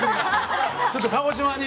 ちょっと鹿児島に。